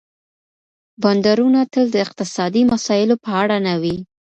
بانډارونه تل د اقتصادي مسايلو په اړه نه وي.